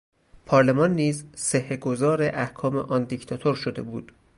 پارلمان نیز صحه گذار احکام آن دیکتاتور شده بود.